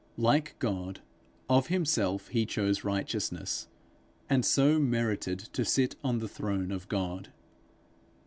Like God, of himself he chose righteousness, and so merited to sit on the throne of God.